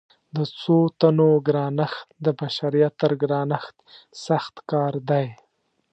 د څو تنو ګرانښت د بشریت تر ګرانښت سخت کار دی.